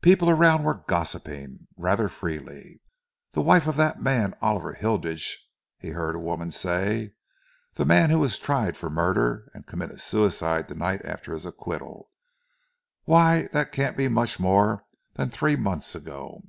People around were gossiping rather freely. "The wife of that man Oliver Hilditch," he heard a woman say, "the man who was tried for murder, and committed suicide the night after his acquittal. Why, that can't be much more than three months ago."